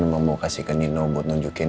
mau kasih ke nino buat nunjukin